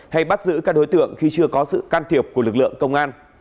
hay bắt giữ các đối tượng khi chưa có sự can thiệp của lực lượng công an